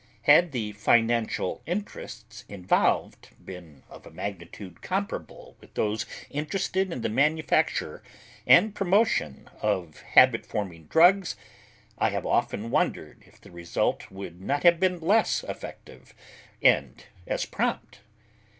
Had the financial interests involved been of a magnitude comparable with those interested in the manufacture and promotion of habit forming drugs, I have often wondered if the result would not have been less effective and as prompt.